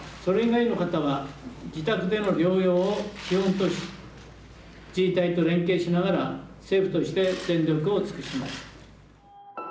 それ以外の方は自宅での療養を基本とし自治体と連携しながら政府として全力を尽くします。